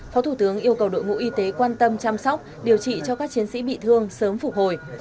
phó thủ tướng yêu cầu đội ngũ y tế quan tâm chăm sóc điều trị cho các chiến sĩ bị thương sớm phục hồi